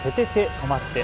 とまって！